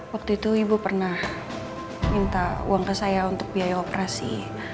waktu itu ibu pernah minta uang ke saya untuk biaya operasi